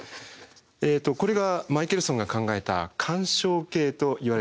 これがマイケルソンが考えた「干渉計」といわれる装置です。